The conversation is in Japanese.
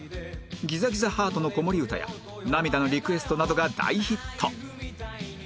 『ギザギザハートの子守唄』や『涙のリクエスト』などが大ヒット